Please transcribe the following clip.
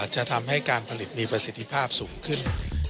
จะทำให้การผลิตมีประสิทธิภาพสูงขึ้น